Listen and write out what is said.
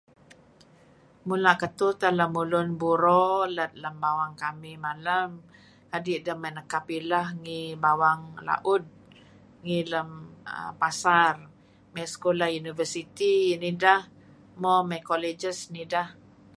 Mula' ketuh teh lemulun buro lem bawang kamih malem kadi' deh may nekap ileh ngi bawang laud ngi lem pasar may sekolah universiti neh ideh mo may colleges neh ideh